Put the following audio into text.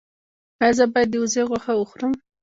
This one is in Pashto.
ایا زه باید د وزې غوښه وخورم؟